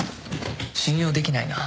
信用できないな。